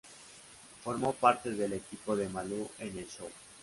Formó parte del equipo de Malú en el show.